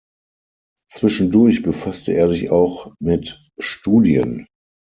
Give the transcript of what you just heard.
Zwischendurch befasste er sich auch mit Studien.